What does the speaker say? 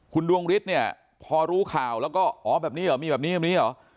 คุณดวงฤทธิ์เนี่ยพอรู้ข่าวแล้วก็อ๋อแบบนี้เหรอมีแบบนี้แบบนี้เหรอ